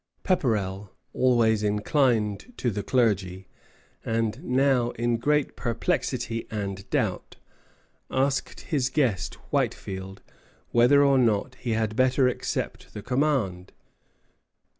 Pepperrell, always inclined to the clergy, and now in great perplexity and doubt, asked his guest Whitefield whether or not he had better accept the command.